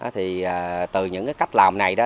thì từ những cái cách làm này đó